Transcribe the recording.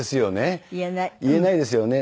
言えないですよね。